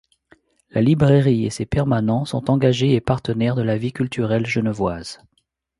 La librairie et ses permanents sont engagés et partenaires de la vie culturelle genevoise.